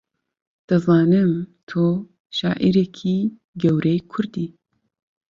دەزانم تۆ شاعیرێکی گەورەی کوردی